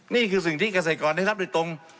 นี่คือสิ่งที่เกษตรกรได้รับโดยตรง